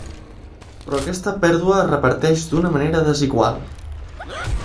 Però aquesta pèrdua es reparteix d’una manera desigual.